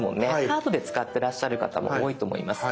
カードで使ってらっしゃる方も多いと思います。